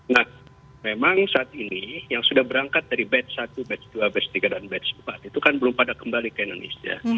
nah memang saat ini yang sudah berangkat dari batch satu batch dua batch tiga dan batch empat itu kan belum pada kembali ke indonesia